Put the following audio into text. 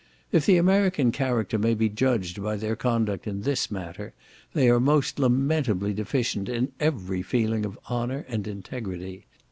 If the American character may be judged by their conduct in this matter, they are most lamentably deficient in every feeling of honour and integrity.